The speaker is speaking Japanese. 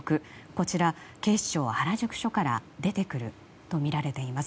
こちら、警視庁原宿署から出てくるとみられています。